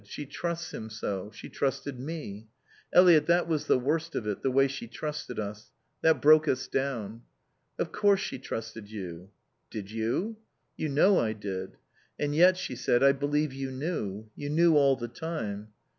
She trusts him so. She trusted me.... Eliot, that was the worst of it, the way she trusted us. That broke us down." "Of course she trusted you." "Did you?" "You know I did." "And yet," she said, "I believe you knew. You knew all the time."